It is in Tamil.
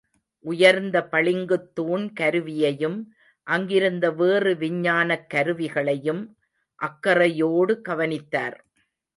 உயர்ந்த பளிங்குத் தூண் கருவியையும், அங்கிருந்த வேறு விஞ்ஞானக் கருவிகளையும் அக்கறையோடு கவனித்தார்.